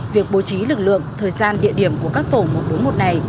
việc bố trí lực lượng thời gian địa điểm của các tổ một trăm bốn mươi một này